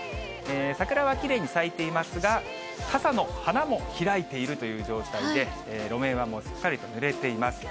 桜はきれいに咲いていますが、傘の花も開いているという状態で、路面はもうすっかりとぬれています。